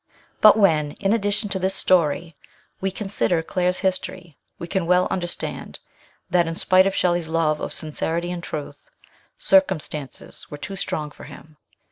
But when, in addition to this story, we consider Claire's history, we can well under stand that, in spite of Shelley's love of sincerity and truth, circumstances were too strong for him.